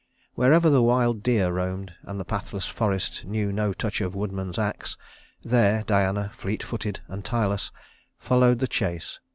Wherever the wild deer roamed, and the pathless forest knew no touch of woodman's ax, there Diana, fleet footed and tireless, followed the chase.